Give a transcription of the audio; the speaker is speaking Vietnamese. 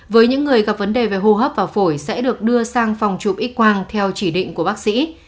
với những người gặp vấn đề về hô hấp và phổi sẽ được đưa sang phòng chụp x quang theo chỉ định của bác sĩ